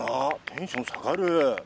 テンション下がる。